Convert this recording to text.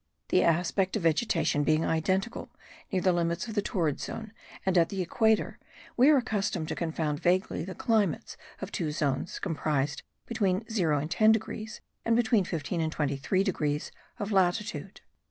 The aspect of vegetation being identical near the limits of the torrid zone and at the equator, we are accustomed to confound vaguely the climates of two zones comprised between 0 and 10 degrees, and between 15 and 23 degrees of latitude.